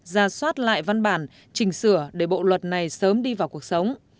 ra soát lại văn bản chỉnh sửa để bộ luật này sớm đi vào cuộc sống